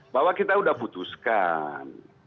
bahwa kita sudah putuskan